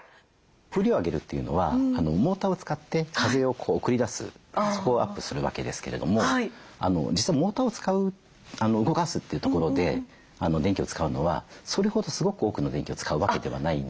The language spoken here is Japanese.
風量を上げるというのはモーターを使って風を送り出すそこをアップするわけですけれども実はモーターを使う動かすというところで電気を使うのはそれほどすごく多くの電気を使うわけではないんで。